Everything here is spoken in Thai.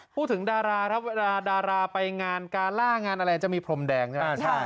พูดถึงดาราภัยการปริงานการล่างานอะไรจะมีพรมแดงใช่ไหม